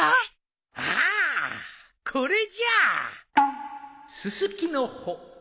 ああこれじゃ！